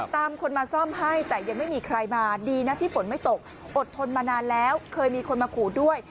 คนมาซ่อมให้แต่ยังไม่มีใครมาดีนะที่ฝนไม่ตกอดทนมานานแล้วเคยมีคนมาขู่ด้วย